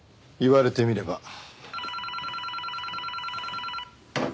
言われてみれば。